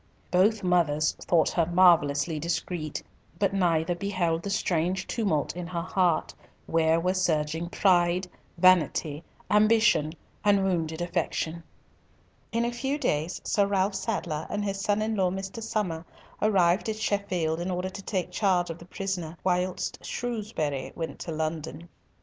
Both mothers thought her marvellously discreet; but neither beheld the strange tumult in her heart, where were surging pride, vanity, ambition, and wounded affection. In a few days, Sir Ralf Sadler and his son in law Mr. Somer arrived at Sheffield in order to take the charge of the prisoner whilst Shrewsbury went to London.